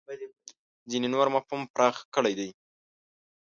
ځینې نور مفهوم پراخ کړی دی.